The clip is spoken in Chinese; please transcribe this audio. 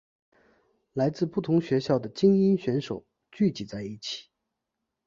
来自不同学校的菁英选手聚集在一起。